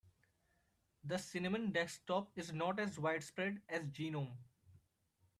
The cinnamon desktop is not as widespread as gnome.